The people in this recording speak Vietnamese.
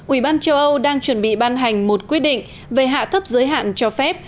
ủy ban châu âu đang chuẩn bị ban hành một quyết định về hạ thấp giới hạn cho phép